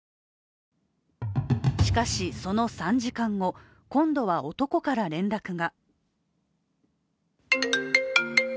しかしその３時間後、今度は男から連絡が。